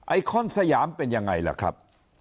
คอนสยามเป็นยังไงล่ะครับ